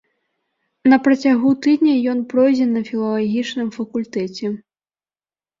На працягу тыдня ён пройдзе на філалагічным факультэце.